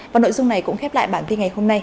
và nội dung này cũng khép lại bản tin ngày hôm nay